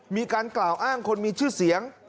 มีการกล่าวอ้างคนมีชื่อเสียง